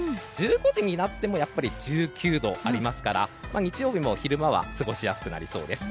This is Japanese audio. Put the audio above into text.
１５時になってもやっぱり１９度ありますから日曜日も昼間は過ごしやすくなりそうです。